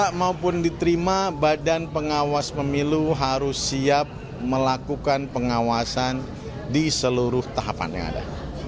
jika maupun diterima badan pengawas pemilu harus siap melakukan pengawasan di seluruh tahapan yang ada